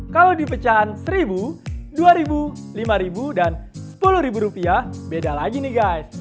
kalau dipecahan seribu dua ribu lima ribu dan sepuluh ribu rupiah beda lagi nih guys